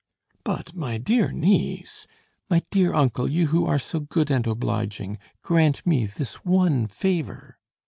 "But, my dear niece " "My dear uncle, you who are so good and obliging, grant me this one favor.